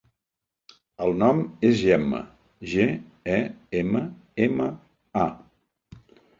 El nom és Gemma: ge, e, ema, ema, a.